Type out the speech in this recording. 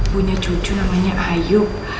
aduh ibunya cucu namanya ayub